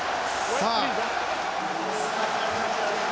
さあ。